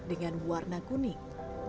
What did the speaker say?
dengan warna kuning